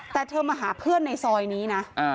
แต่เธอมาหาเพื่อนในซอยนี้นะ